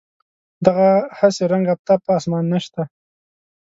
دغه هسې رنګ آفتاب په اسمان نشته.